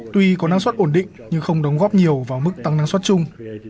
tuy có năng suất ổn định nhưng không đóng góp nhiều vào mức tăng năng suất chung